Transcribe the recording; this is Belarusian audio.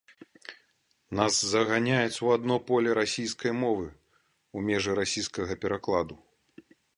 Нас заганяюць у адно поле расійскай мовы, у межы расійскага перакладу.